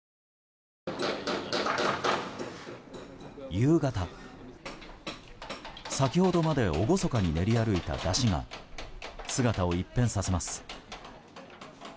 夕方、先ほどまで厳かに練り歩いた山車が姿を一変させます。